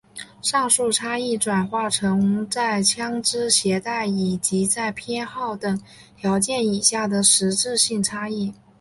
上述差异转化成在枪枝携带以及在偏好等条件以下的实质性差异。